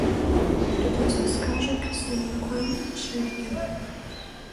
Тудын саскаже кресаньыклан шерге.